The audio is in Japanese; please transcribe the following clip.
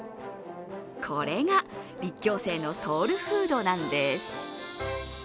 これが立教生のソウルフードなんです。